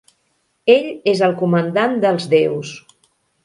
Ell és el comandant dels déus.